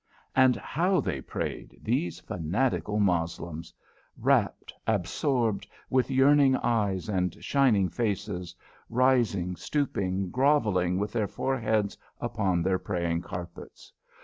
And how they prayed, these fanatical Moslems! Wrapt, absorbed, with yearning eyes and shining faces, rising, stooping, grovelling with their foreheads upon their praying carpets.